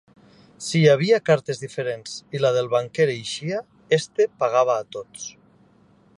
Si hi havia cartes diferents i la del banquer eixia, este pagava a tots.